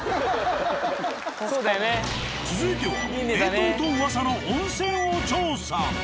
続いては名湯と噂の温泉を調査。